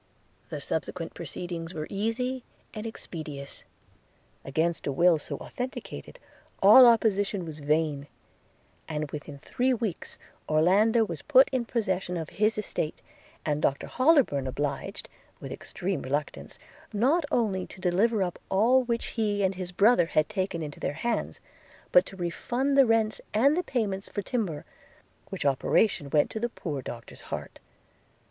The subsequent proceedings were easy and expeditious. Against a will so authenticated, all opposition was vain; and within three weeks Orlando was put in possession of his estate, and Doctor Hollybourn obliged, with extreme reluctance, not only to deliver up all of which he and his brother had taken into their hands, but to refund the rents and the payments for timber; which operation went to the poor Doctor's heart.